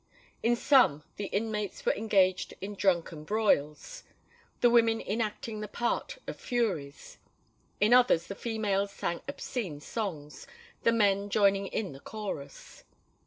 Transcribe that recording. In some the inmates were engaged in drunken broils, the women enacting the part of furies: in others the females sang obscene songs, the men joining in the chorus.